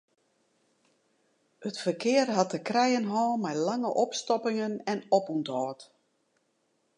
It ferkear hat te krijen hân mei lange opstoppingen en opûnthâld.